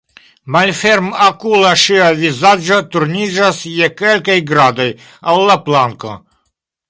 Malfermokula, ŝia vizaĝo turniĝas je kelkaj gradoj al la planko.